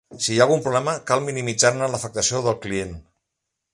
Si hi ha algun problema, cal minimitzar-ne l'afectació del client.